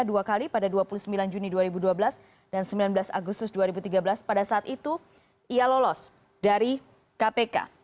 dua kali pada dua puluh sembilan juni dua ribu dua belas dan sembilan belas agustus dua ribu tiga belas pada saat itu ia lolos dari kpk